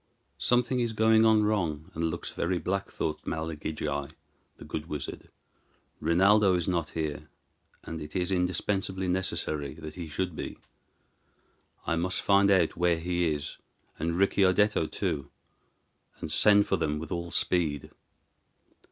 "Something is going on wrong, and looks very black," thought Malagigi, the good wizard; "Rinaldo is not here, and it is indispensably necessary that he should be. I must find out where he is, and Ricciardetto too, and send for them with all speed."